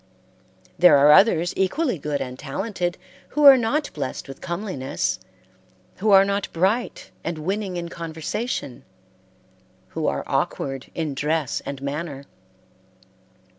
There are others equally good and talented who are not blessed with comeliness, who are not bright and winning in conversation, who are awkward in dress and manner.